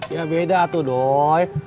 ya beda atu doi